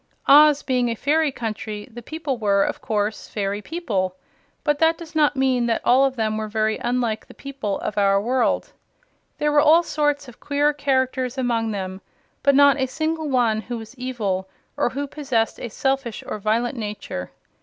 Oz being a fairy country, the people were, of course, fairy people; but that does not mean that all of them were very unlike the people of our own world. There were all sorts of queer characters among them, but not a single one who was evil, or who possessed a selfish or violent nature.